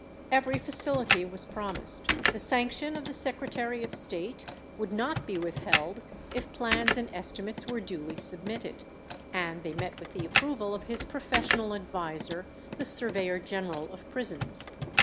Every facility was promised. The sanction of the Secretary of State would not be withheld if plans and estimates were duly submitted, and they met with the approval of his professional adviser, the surveyor general of prisons.